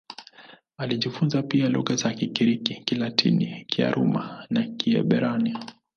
Alijifunza pia lugha za Kigiriki, Kilatini, Kiaramu na Kiebrania.